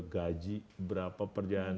gaji berapa perjalanan